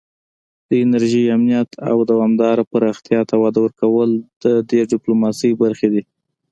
د انرژۍ امنیت او دوامداره پراختیا ته وده ورکول د دې ډیپلوماسي برخې دي